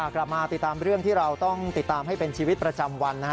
กลับมาติดตามเรื่องที่เราต้องติดตามให้เป็นชีวิตประจำวัน